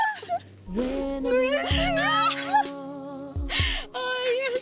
うれしい！